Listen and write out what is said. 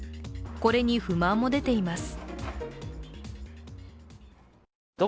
これに不満も出ています。